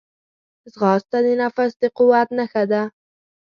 ځغاسته د نفس د قوت نښه ده